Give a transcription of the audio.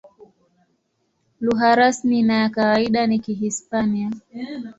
Lugha rasmi na ya kawaida ni Kihispania.